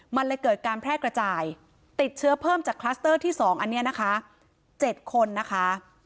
มันเลยเกิดการแพร่กระจายติดเชื้อเพิ่มจากคลัสเตอร์ที่๒อันนี้นะคะ๗คนนะคะ